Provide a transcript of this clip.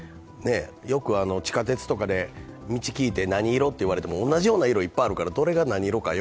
よく地下鉄とかで道を聞いて何色って聞かれても、同じような色がいっぱいあるから。